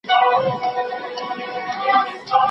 خلکو ویل چي خصوصي سکتور ډېر پرمختګ کړی دی.